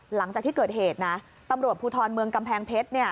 หลังจากที่เกิดเหตุนะตำรวจภูทรเมืองกำแพงเพชร